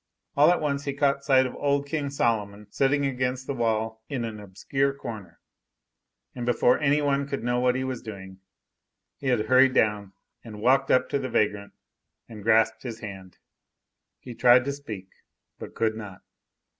All at once he caught sight of old King Solomon sitting against the wall in an obscure corner; and before any one could know what he was doing, he had hurried down and walked up to the vagrant and grasped his hand. He tried to speak, but could not.